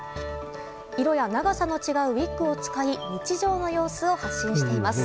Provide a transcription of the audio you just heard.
色や長さの違うウィッグを使い日常の様子を発信しています。